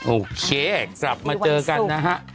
โอเคกลับมาเจอกันนะฮะ